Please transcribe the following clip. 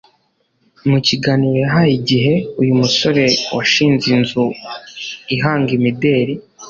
mu kiganiro yahaye igihe, uyu musore washinze inzu ihanga imideli